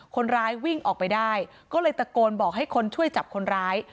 คนร้ายวิ่งออกไปได้ก็เลยตะโกนบอกให้คนช่วยจับคนร้าย